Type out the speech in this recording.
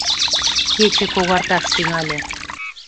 Кече когарташ тӱҥале.